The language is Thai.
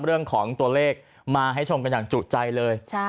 เรื่องของตัวเลขมาให้ชมกันอย่างจุใจเลย